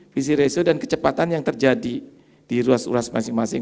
visi ratio dan kecepatan yang terjadi di ruas ruas masing masing